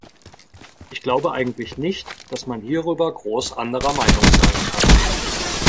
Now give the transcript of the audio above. Ich glaube eigentlich nicht, dass man hierüber groß anderer Meinung sein kann.